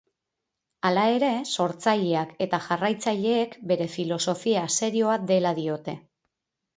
Hala ere, sortzaileak eta jarraitzaileek bere filosofia serioa dela diote.